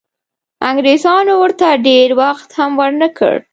انګریزانو ورته ډېر وخت هم ورنه کړ.